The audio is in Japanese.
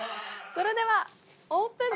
それではオープン。